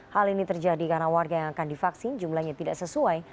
hal ini terjadi karena warga yang akan divaksin jumlahnya tidak sesuai